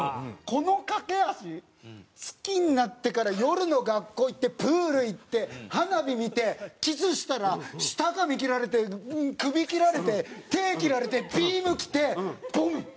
この駆け足好きになってから夜の学校行ってプール行って花火見てキスしたら舌噛み切られて首切られて手切られてビーム来て「ボンっ」。